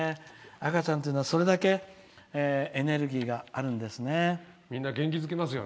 赤ちゃんっていうのはそれだけエネルギーがあるんですね。